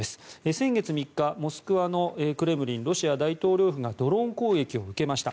先月３日モスクワのクレムリンロシア大統領府がドローン攻撃を受けました。